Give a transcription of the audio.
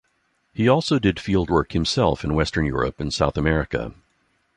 He also did field work himself in western Europe and South America.